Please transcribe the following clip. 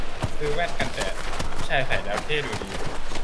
ซื้อแว่นกันแดดผู้ชายใส่แล้วเท่ดูดี